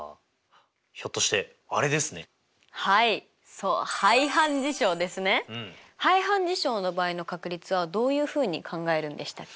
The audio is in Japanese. そう排反事象の場合の確率はどういうふうに考えるんでしたっけ？